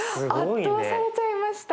圧倒されちゃいました。